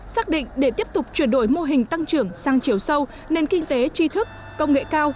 xác định để tiếp tục chuyển đổi mô hình tăng trưởng sang chiều sâu nền kinh tế tri thức công nghệ cao